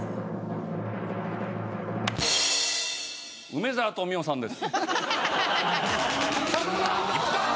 梅沢富美男さんです。